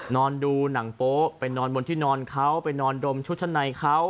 นอนดูหนังโป๊ะไปนอนบนที่นอนเขาไปนอนดมชุดชั้นในเขา